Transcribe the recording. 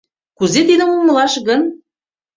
Кузе тидым умылаш гын?